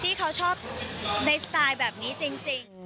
ที่เขาชอบในสไตล์แบบนี้จริง